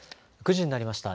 ９時になりました。